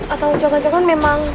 atau jangan jangan memang